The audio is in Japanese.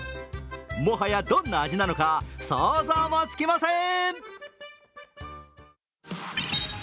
もはや、どんな味なのか想像もつきません。